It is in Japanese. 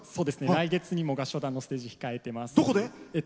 来月にも合唱団のステージが控えています。